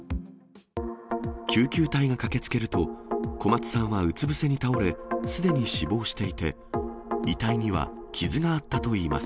救急隊が駆けつけると、小松さんはうつ伏せに倒れ、すでに死亡していて、遺体には傷があったといいます。